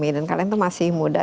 dan kalian tuh masih muda